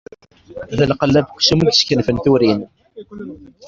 D lqella n uksum i yesseknafen turin.